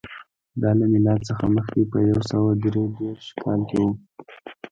دا له میلاد څخه مخکې په یو سوه درې دېرش کال کې و